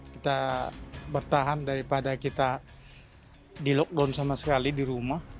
kita bertahan daripada kita dilockdown sama sekali di rumah